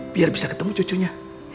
biar bisa ketemu cucunya